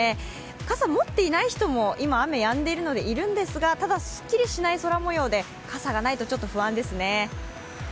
傘、持っていない人も、今は雨がやんでいるのでいるんですがただ、すっきりしない空もようで、傘がないとちょっと不安ですね。